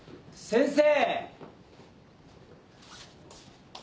先生。